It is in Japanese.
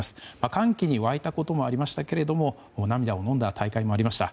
歓喜に沸いたこともありましたけれど涙をのんだ大会もありました。